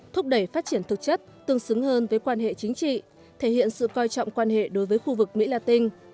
thúc đẩy phát triển thực chất tương xứng hơn với quan hệ chính trị thể hiện sự coi trọng quan hệ đối với khu vực mỹ la tinh